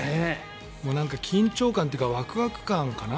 なんか緊張感というかワクワク感かな。